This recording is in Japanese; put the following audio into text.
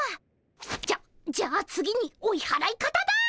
じゃじゃあ次に追いはらい方だ。